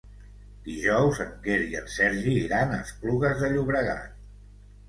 Dijous en Quer i en Sergi iran a Esplugues de Llobregat.